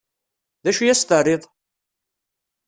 D acu i as-terriḍ?